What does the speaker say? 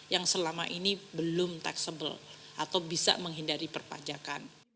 yang selama ini belum taxable atau bisa menghindari perpajakan